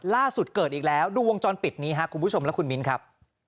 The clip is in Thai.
ล่าสุดเกิดอีกแล้วดูวงจรปิดนี้ครับคุณผู้ชมและคุณมิ้นครับ